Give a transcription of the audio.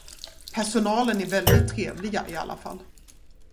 Personalen är väldigt trevliga i alla fall.